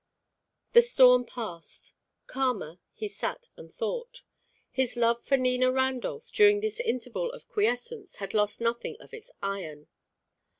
The storm passed. Calmer, he sat and thought. His love for Nina Randolph, during this interval of quiescence, had lost nothing of its iron.